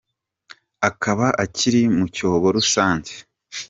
Akaba akiri mu cyobo rusange !